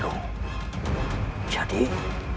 sekarang sedang menjariku